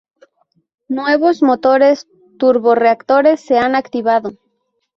Nuevos motores turborreactores se han activado.